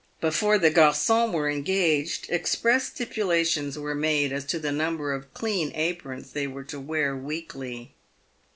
Before the garcons were engaged, express stipulations were made as to the number of clean aprons they were to wear weekly.